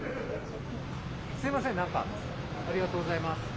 すいません何かありがとうございます。